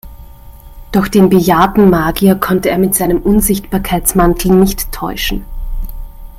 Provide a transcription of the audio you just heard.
Doch den bejahrten Magier konnte er mit seinem Unsichtbarkeitsmantel nicht täuschen.